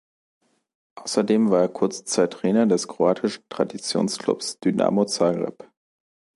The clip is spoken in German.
Außerdem war er kurze Zeit Trainer des kroatischen Traditionsklubs Dinamo Zagreb.